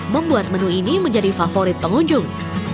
membuat menu ini menjadi favorit pengunjung